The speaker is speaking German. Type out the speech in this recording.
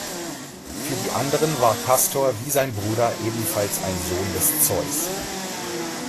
Für die anderen war Kastor wie sein Bruder ebenfalls ein Sohn des Zeus.